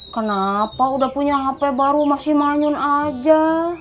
kenapa udah punya hp baru masih manyun aja